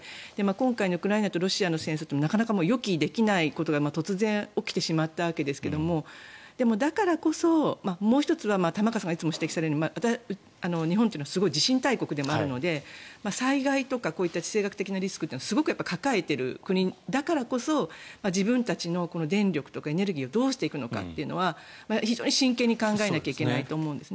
今回のウクライナとロシアの戦争ってなかなか予期できないことが突然起きてしまったわけですがでも、だからこそもう１つは玉川さんがいつも指摘されるように日本というのは地震大国でもあるので災害とか地政学的なリスクというのをすごく抱えている国だからこそ自分たちの電力とかエネルギーをどうしていくのかというのは非常に真剣に考えないといけないと思うんです。